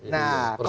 nah kalau saya lihat